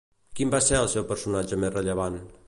Quin va ser el seu personatge més rellevant?